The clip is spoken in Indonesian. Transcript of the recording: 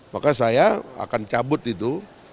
maka saya akan cabut itu